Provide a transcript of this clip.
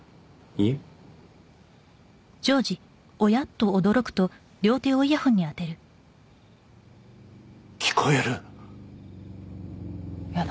いえ聞こえるやだ